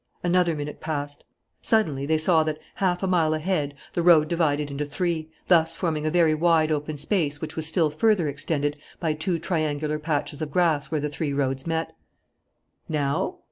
Another minute passed. Suddenly they saw that, half a mile ahead, the road divided into three, thus forming a very wide open space which was still further extended by two triangular patches of grass where the three roads met. "Now?"